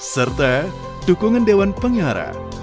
serta dukungan dewan pengarah